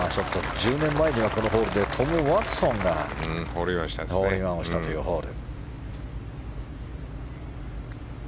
１０年前にはこのホールでトム・ワトソンがホールインワンをしたというホール。